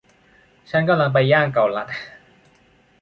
ฉันกำลังไปย่างเกาลัด